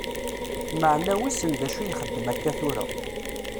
Maɛna wissen d acu i ixeddem akka tura.